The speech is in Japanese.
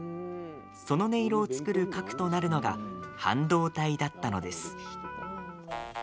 その音色を作る核となるのが半導体だったのです。